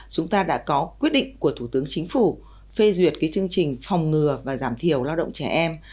chúng ta đã có quyết định của thủ tướng chính phủ phê duyệt chương trình phòng ngừa và giảm thiểu lao động trẻ em